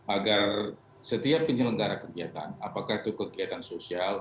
agar setiap penyelenggara kegiatan apakah itu kegiatan sosial